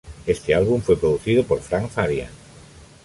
Éste álbum fue producido por Frank Farian.